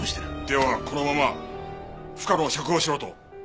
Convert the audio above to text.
ではこのまま深野を釈放しろと？